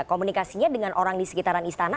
komunikasinya dengan orang di sekitaran istana